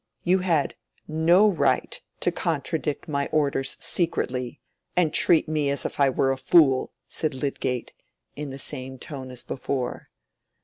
You had no right to contradict my orders secretly, and treat me as if I were a fool," said Lydgate, in the same tone as before.